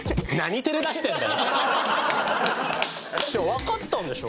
わかったんでしょ？